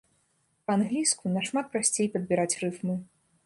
Па-англійску нашмат прасцей падбіраць рыфмы.